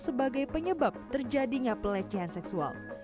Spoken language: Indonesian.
sebagai penyebab terjadinya pelecehan seksual